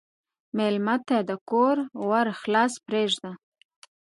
مېلمه ته د کور ور خلاص پرېږده.